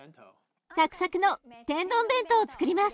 サクサクの天丼弁当をつくります。